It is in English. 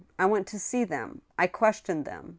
I went to see them. I questioned them.